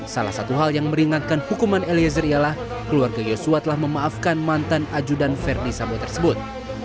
salah satu hal yang meringankan hukuman eliezer ialah keluarga yosua telah memaafkan mantan ajudan verdi sambo tersebut